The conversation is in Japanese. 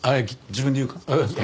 自分で言うか？